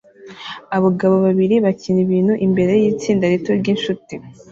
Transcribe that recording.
Abagabo babiri bakina ibintu imbere yitsinda rito ryinshuti